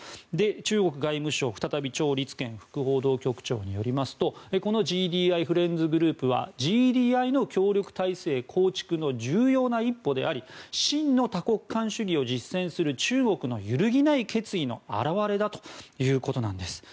中国外務省、再びチョウ・リツケン副報道局長によりますとこのＧＤＩフレンズグループはＧＤＩの協力体制構築の重要な一歩であり真の多国間主義を実践する中国のゆるぎない決意の表れだということなんです。